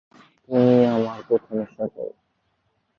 একে চট্টগ্রামে নিয়োগ করা হয়েছে।